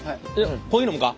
コーヒー飲むか？